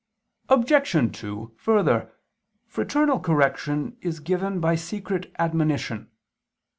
Obj. 2: Further, fraternal correction is given by secret admonition.